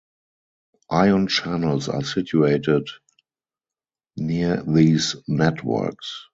Ion channels are situated near these networks.